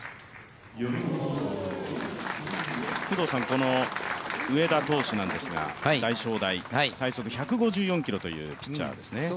この上田投手なんですが大商大最速１５４キロというピッチャーですよね。